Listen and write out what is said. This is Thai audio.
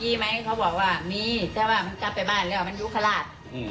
มีไหมเขาบอกว่ามีแต่ว่ามันกลับไปบ้านแล้วมันยุคราช